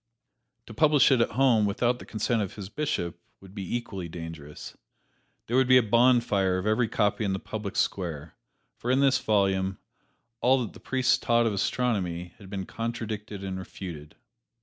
To publish it at home without the consent of his Bishop would be equally dangerous. There would be a bonfire of every copy in the public square; for in this volume, all that the priests taught of astronomy had been contradicted and refuted.